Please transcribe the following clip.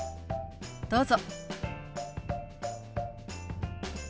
どうぞ。